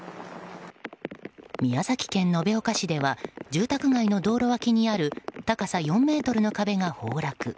宮崎県延岡市では住宅街の道路脇にある高さ４ｍの壁が崩落。